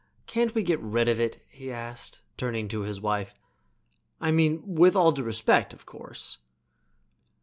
"Can't we get rid of it?" he asked, turning to his wife. "I mean, with all due respect, of course."